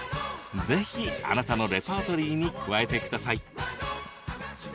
ぜひ、あなたのレパートリーに加えてください。